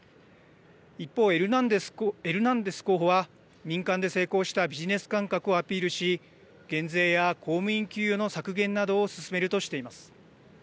一方、エルナンデス候補は民間で成功したビジネス感覚をアピールし減税や公務員給与の削減などを進めるとしています。